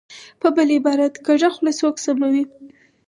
په بل عبارت، کږه خوله سوک سموي.